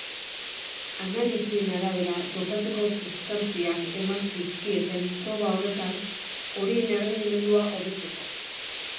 Analisien arabera, dopatzeko substantziak eman zizkieten proba horretan horien errendimendua hobetzeko.